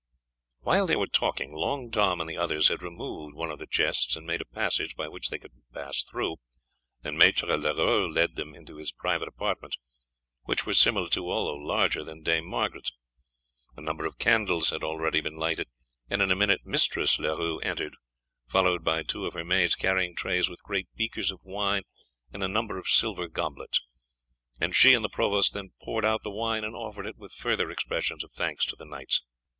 While they were talking Long Tom and the others had removed one of the chests and made a passage by which they could pass through, and Maître Leroux led them into his private apartments, which were similar to, although larger than, Dame Margaret's. A number of candles had already been lighted, and in a minute Mistress Leroux entered, followed by two of her maids carrying trays with great beakers of wine and a number of silver goblets, and she and the provost then poured out the wine and offered it with further expressions of thanks to the knights.